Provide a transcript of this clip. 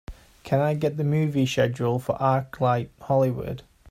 Can I get the movie schedule for ArcLight Hollywood